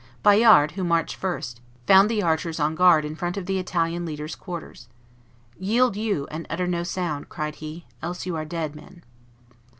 Bayard, who marched first, found the archers on guard in front of the Italian leader's quarters. "Yield you and utter no sound," cried he, "else you are dead men."